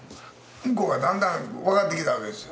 向こうはだんだん分かってきたわけですよ。